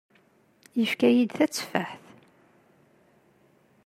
Yefka-yi-d tatteffaḥt.